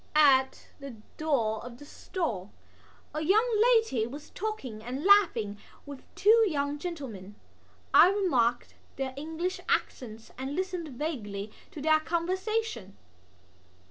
At the door of the stall a young lady was talking and laughing with two young gentlemen. I remarked their English accents and listened vaguely to their conversation.